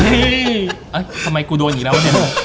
เอ๊ะทำไมกูโดนอีกแล้ว